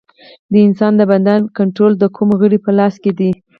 د انسان د بدن کنټرول د کوم غړي په لاس کې دی